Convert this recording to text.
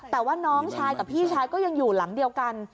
แต่ว่าน้องชายกับพี่ชายก็ยังอยู่หลังเดียวกัน